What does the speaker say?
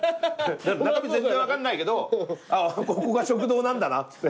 中身全然分かんないけど「あぁここが食堂なんだな」っつって。